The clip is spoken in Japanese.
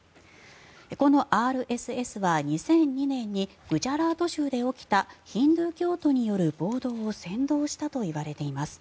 このＲＳＳは２００２年にグジャラート州で起きたヒンドゥー教徒による暴動を扇動したといわれています。